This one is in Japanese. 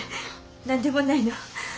何でもないの。